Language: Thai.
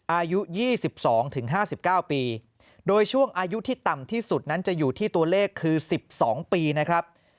อายุ๒๒๕๙ปีโดยช่วงอายุที่ต่ำที่สุดนั้นจะอยู่ที่ตัวเลขคือ๑๒ปีนะครับ